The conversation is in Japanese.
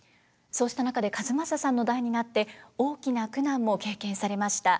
そうした中で千雅さんの代になって大きな苦難も経験されました。